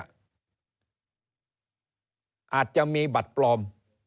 อาจจะมีบัตรปลอม